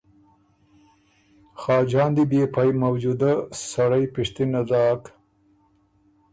خاجان دی بيې پئ موجود سړئ پِشتِنه داک